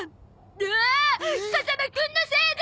ああ風間くんのせいで！